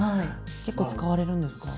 結構使われるんですか？